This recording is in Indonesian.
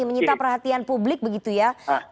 menyita perhatian publik begitu ya